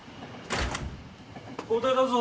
交代だぞ。